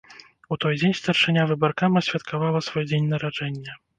У той дзень старшыня выбаркама святкавала свой дзень нараджэння.